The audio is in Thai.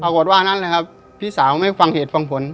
ว่านั่นแหละครับพี่สาวไม่ฟังเหตุฟังผล